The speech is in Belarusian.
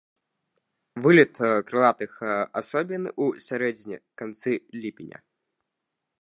Вылет крылатых асобін у сярэдзіне-канцы ліпеня.